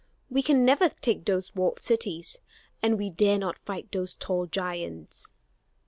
We can never take those walled cities, and we dare not fight those tall giants."